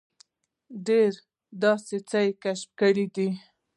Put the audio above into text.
ډېر داسې څه یې کشف کړي دي.